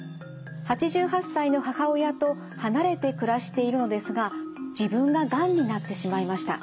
８８歳の母親と離れて暮らしているのですが自分ががんになってしまいました。